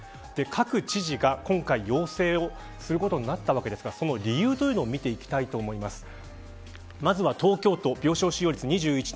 各知事が今回、要請をすることになったわけですがその理由というのを見ていきたいと思います。